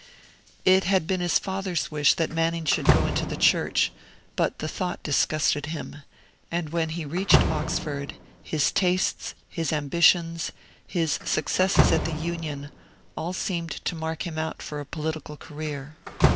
It had been his father's wish that Manning should go into the Church; but the thought disgusted him; and when he reached Oxford, his tastes, his ambitions, his successes at the Union, all seemed to mark him out for a political career.